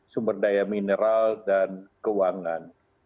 sumber daya mineral dan keuangan